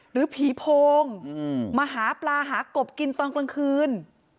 หรือผีโพงมาหาปลาหากบกินตอนกลางคืน